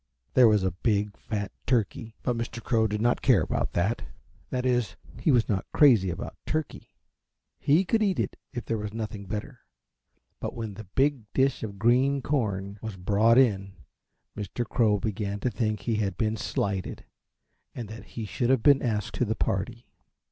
There was a big fat turkey, but Mr. Crow did not care about that that is, he was not crazy about turkey. He could eat it if there was nothing better, but when the big dish of green corn was brought in Mr. Crow began to think he had been slighted and that he should have been asked to the party.